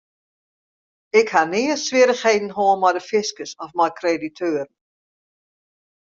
Ik ha nea swierrichheden hân mei de fiskus of mei krediteuren.